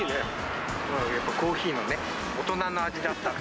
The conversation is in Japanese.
コーヒーのね、大人の味だった。